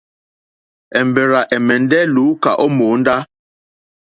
Èmbèrzà ɛ̀mɛ́ndɛ́ lùúká ó mòóndá.